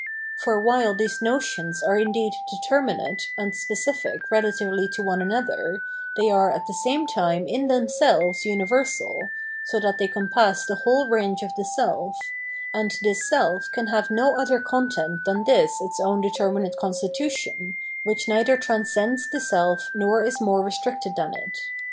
For while these notions are indeed determinate and specific relatively to one another, they are at the same time in themselves universal, so that they compass the whole range of the self ; and this self can have no other content than this its own deter minate constitution, which neither transcends the self nor is more restricted than it.